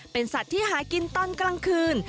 เป็นสัตว์ที่หากินตอนกลางคืน